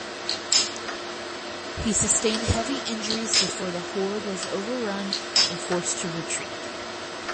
He sustained heavy injuries before the Horde was overrun and forced to retreat.